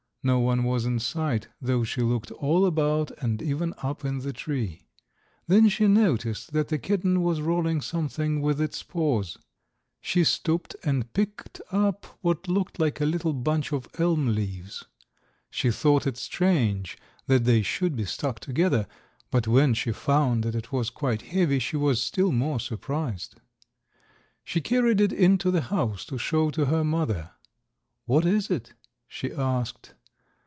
No one was in sight, though she looked all about and even up in the tree. Then she noticed that the kitten was rolling something with its paws. She stooped and picked up what looked like a little bunch of elm leaves. She thought it strange that they should be stuck together, and when she found that it was quite heavy she was still more surprised. She carried it into the house to show to her mother. "What is it?" she asked.